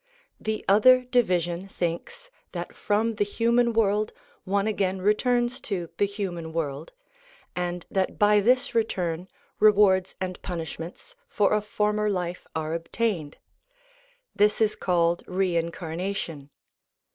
The other division thinks that from the human world one again returns to the human world, and that by this return rewards and punishments 818 MISCELLANEOUS SUBJECTS 319 for a former life are obtained ; this is called reincarna tion.